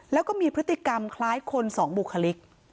แล้วก็มีพฤติกรรมคล้ายคนสองบุคลิก